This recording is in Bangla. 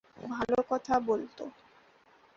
ভালো কথা বলত।